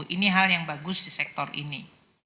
ini hal yang bagus di sektor ini